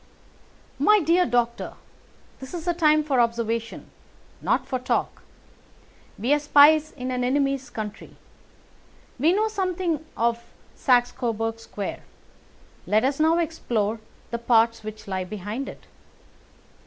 "My dear doctor, this is a time for observation, not for talk. We are spies in an enemy's country. We know something of Saxe Coburg Square. Let us now explore the parts which lie behind it."